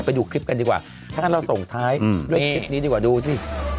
ไปดูคลิปกันดีกว่าถ้างั้นเราส่งท้ายด้วยคลิปนี้ดีกว่าดูสิ